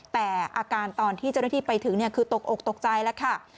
แต่อาการตอนที่เจ้าหน้าที่ไปถึงคือตกอกตกใจแล้วค่ะ